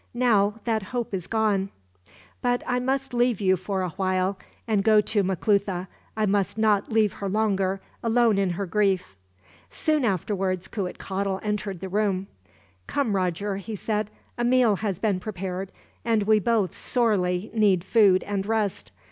Now that hope is gone. "But I must leave you for a while, and go to Maclutha. I must not leave her longer, alone in her grief." Soon afterwards, Cuitcatl entered the room. "Come, Roger," he said; "a meal has been prepared, and we both sorely need food and rest.